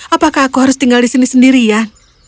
apakah aku harus tinggal di sini sendirian